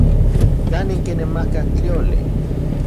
¿Kanin kinemakaj tlioli?